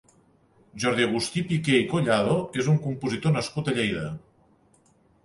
Jordi-Agustí Piqué i Collado és un compositor nascut a Lleida.